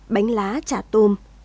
bánh lá chả tôm